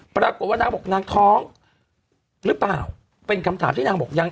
ปรากฏว่านางบอกนางท้องหรือเปล่าเป็นคำถามที่นางบอกยัง